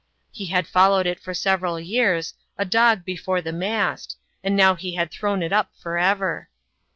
He had followed it for several years, a dog before the mast, and now he had thrown it up for ever.